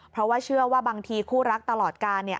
เพราะว่าเชื่อว่าบางทีคู่รักตลอดการ